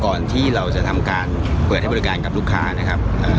ก่อนที่เราจะทำการเปิดให้บริการกับลูกค้านะครับ